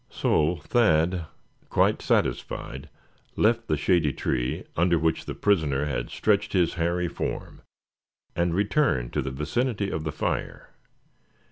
So Thad, quite satisfied, left the shady tree under which the prisoner had stretched his hairy form, and returned to the vicinity of the fire.